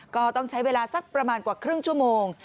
ก็ต้องใช้เวลาสักประมาณกว่าครึ่งชั่วโมง